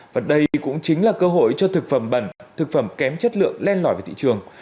và đây cũng chính là cơ hội cho thực phẩm bẩn thực phẩm kém chất lượng len lỏi về thị trường